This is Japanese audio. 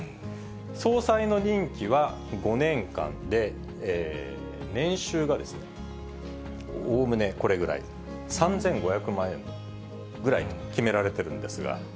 総裁の任期は５年間で、年収がおおむねこれぐらい、３５００万円ぐらいと決められているんですが。